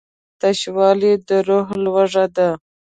تشوالی د روح لوږه ده.